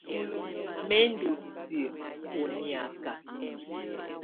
Mɛ̀ ndù siǝ́ ù niaka.